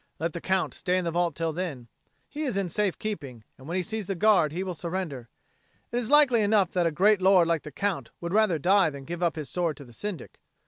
Let the Count stay in the vault till then. He is in safe keeping; and when he sees the Guard he will surrender. It is likely enough that a great lord like the Count would rather die than give up his sword to the Syndic."